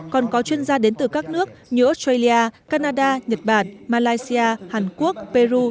còn có chuyên gia đến từ các nước như australia canada nhật bản malaysia hàn quốc peru